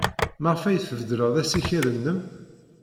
Maɣef ay tbeṭled assikel-nnem?